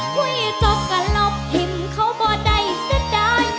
คุยจบกันรบเห็นเค้าบ่ได้เสียดาย